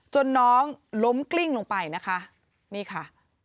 น้องล้มกลิ้งลงไปนะคะนี่ค่ะ